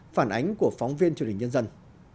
phản ánh của phóng viên truyền hình nhân dân